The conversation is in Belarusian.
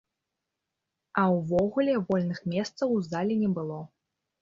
А ўвогуле, вольных месцаў у зале не было!